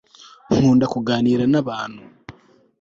nkunda kuganira n'abantu